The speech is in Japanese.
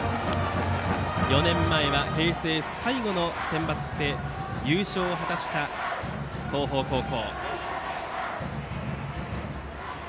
４年前は平成最後のセンバツで優勝を果たした東邦高校。